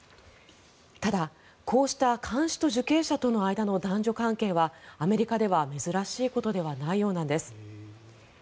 ただ、こうした看守と受刑者との間の男女関係はアメリカでは珍しいことではないようなんです。